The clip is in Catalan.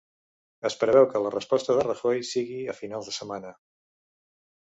Es preveu que la resposta de Rajoy sigui a finals de setmana